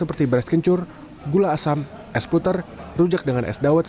reskencur gula asam es puter rujak dengan es dawet